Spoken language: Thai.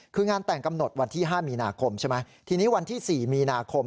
คืองานแต่งกำหนดวันที่๕มีนาคมใช่ไหมทีนี้วันที่๔มีนาคม